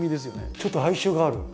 ちょっと哀愁がある。